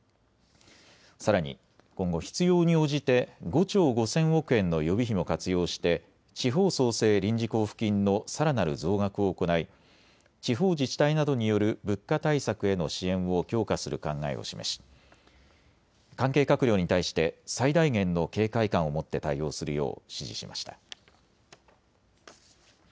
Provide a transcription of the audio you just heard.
さらに今後、必要に応じて５兆５０００億円の予備費も活用して地方創生臨時交付金のさらなる増額を行い地方自治体などによる物価対策への支援を強化する考えを示し関係閣僚に対して最大限の警戒感を持って対応するよう指示しました。